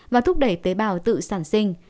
và thúc đẩy tế bào tự sản sinh